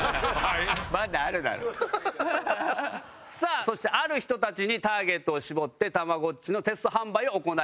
さあそしてある人たちにターゲットを絞ってたまごっちのテスト販売を行います。